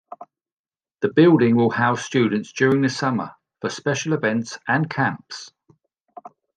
The building will house students during summer for special events and camps.